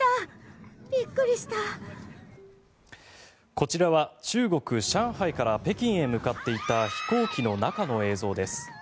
こちらは中国・上海から北京へ向かっていた飛行機の中の映像です。